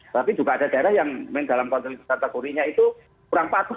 tapi juga ada daerah yang dalam konteks kategorinya itu kurang patuh